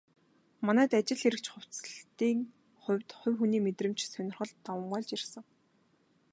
Манайд ажил хэрэгч хувцаслалтын хувьд хувь хүний мэдрэмж, сонирхол давамгайлж ирсэн.